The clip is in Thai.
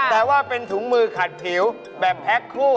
แต่ว่าเป็นถุงมือขัดผิวแบบแพ็คคู่